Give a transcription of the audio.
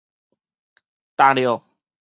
觸到